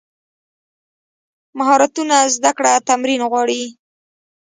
مهارتونه زده کړه تمرین غواړي.